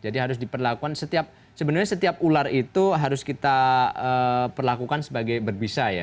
jadi harus diperlakukan setiap sebenarnya setiap ular itu harus kita pelakukan sebagai berbisa ya